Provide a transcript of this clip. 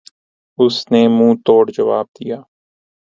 اس نے منہ توڑ جواب دیا۔